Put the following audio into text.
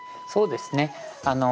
そうですね